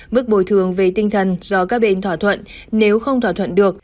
mức bồi thường về tinh thần do các bên thỏa thuận nếu không thỏa thuận được